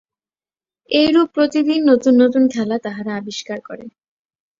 এইরূপ প্রতিদিন নূতন নূতন খেলা তাহারা আবিষ্কার করে।